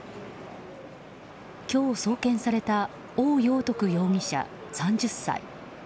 今日送検されたオウ・ヨウトク容疑者、３０歳。